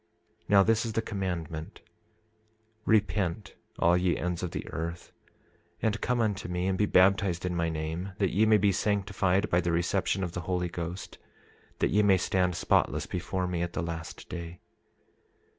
27:20 Now this is the commandment: Repent, all ye ends of the earth, and come unto me and be baptized in my name, that ye may be sanctified by the reception of the Holy Ghost, that ye may stand spotless before me at the last day.